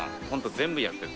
榲全部やってる。